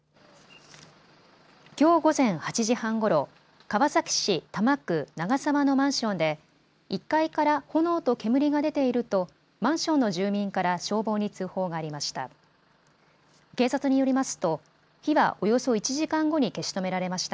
きょう午前８時半ごろ、川崎市多摩区長沢のマンションで１階から炎と煙が出ているとマンションの住民から消防に通報がありました。